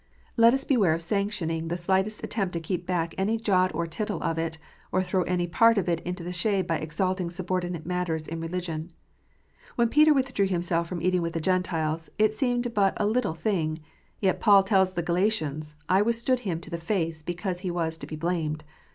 Let us beware of sanctioning the slightest attempt to keep back any jot or tittle of it, or to throw any part of it into the shade by exalting subordinate matters in religion. When Peter withdrew himself from eating with the Gentiles, it seemed but a little thing ; yet Paul tells the Galatians, " I withstood him to the face, because he was to be blamed."